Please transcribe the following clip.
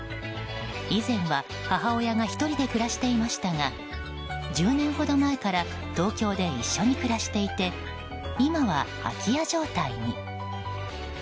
以前は母親が１人で暮らしていましたが１０年ほど前から東京で一緒に暮らしていて今は空き家状態に。